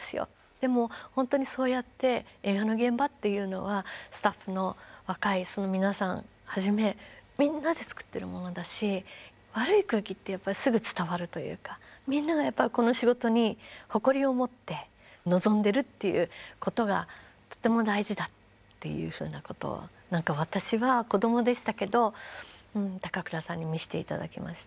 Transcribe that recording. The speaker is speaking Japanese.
でも本当にそうやって映画の現場っていうのはスタッフの若い皆さんはじめみんなで作ってるものだし悪い空気ってやっぱりすぐ伝わるというかみんながこの仕事に誇りを持って臨んでるっていうことがとても大事だっていうふうなことを私は子どもでしたけど高倉さんに見せて頂きました。